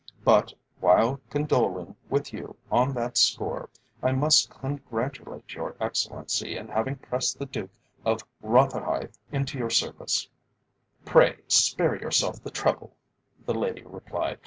But, while condoling with you on that score, I must congratulate your Excellency in having pressed the Duke of Rotherhithe into your service." "Pray spare yourself the trouble," the lady replied.